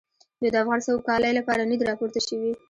دوی د افغان سوکالۍ لپاره نه دي راپورته شوي.